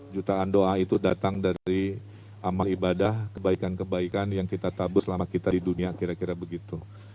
jutaan doa itu datang dari amal ibadah kebaikan kebaikan yang kita tabur selama kita di dunia kira kira begitu